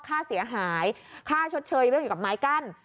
ค่าเสียหายค่าชดเชยเรื่องอยู่กับไม้กั้น